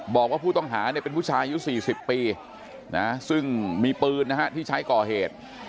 บอกว่าผู้ต้องหาเป็นผู้ชายอยู่๔๐ปีซึ่งมีปืนที่ใช้ก่อเหตุ